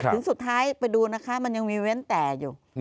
สุดท้ายไปดูนะคะมันยังมีเว้นแต่อยู่